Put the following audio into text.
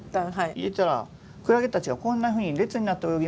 入れたらクラゲたちがこんなふうに列になって泳ぎました。